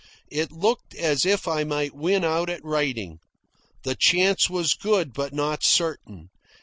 It looked as if I might win out at writing. The chance was good, but not certain.